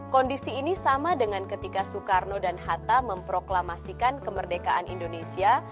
kondisi ini sama dengan ketika soekarno dan hatta memproklamasikan kemerdekaan indonesia